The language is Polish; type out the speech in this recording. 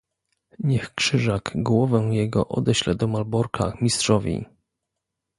"Niech Krzyżak głowę jego odeśle do Malborka mistrzowi!"